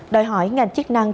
đòi hỏi ngành chức năng